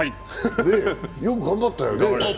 ねえ、よく頑張ったよね。